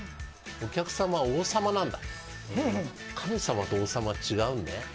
お客さまは王様なんだ神様と王様は、違うんだよ。